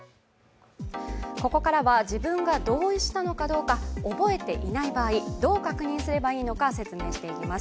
ここからは自分が同意したのかどうか覚えていない場合どう確認すればいいのか説明していきます。